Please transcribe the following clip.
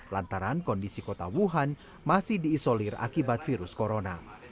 lantaran kondisi kota wuhan masih diisolir akibat virus corona